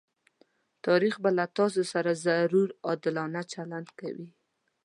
تاريخ به له تاسره ضرور عادلانه چلند کوي.